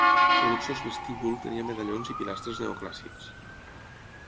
El luxós vestíbul tenia medallons i pilastres neoclàssics.